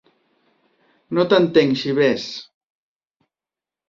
No t'entenc, Jeeves.